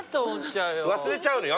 忘れちゃうの。